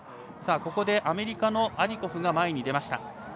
ここでアメリカのアディコフが前に出ました。